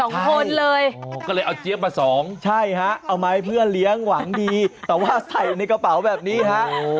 สองคนเลยก็เลยเอาเจี๊ยบมาสองใช่ฮะเอาไม้เพื่อเลี้ยงหวังดีแต่ว่าใส่ในกระเป๋าแบบนี้ฮะ